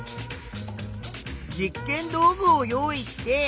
実験道具を用意して。